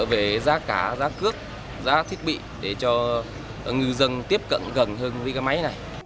về giá cả giá cước giá thiết bị để cho ngư dân tiếp cận gần hơn với cái máy này